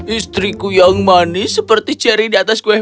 istriku yang manis seperti cherry di atas kue